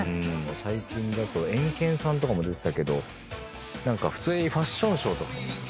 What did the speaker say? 最近だとエンケンさんとかも出てたけど何か普通にファッションショーとかに。ヨウジか。